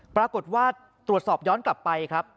ปรากฏว่าตรวจสอบย้อนกลับไปครับ